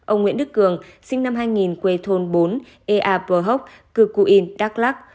ông nguyễn đức cường sinh năm hai nghìn quê thôn bốn ea pờ hốc cư cụ yên đắk lắc